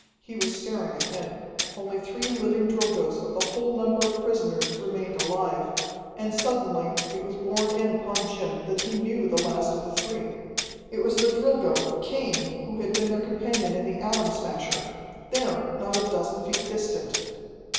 He was staring ahead. Only three living Drilgoes of the whole number of prisoners remained alive, and suddenly it was borne in upon Jim that he knew the last of the three. It was the Drilgo, Cain, who had been their companion in the Atom Smasher there, not a dozen feet distant.